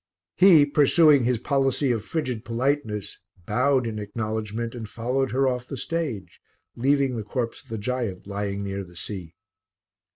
He, pursuing his policy of frigid politeness, bowed in acknowledgment and followed her off the stage, leaving the corpse of the giant lying near the sea.